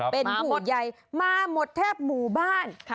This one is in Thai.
เป็นผู้ใหญ่มาหมดแทบหมู่บ้าน